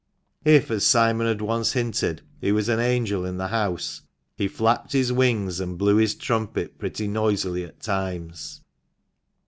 If, as Simon had once hinted, he was an angel in the house, he flapped his wings and blew his trumpet pretty noisily at times.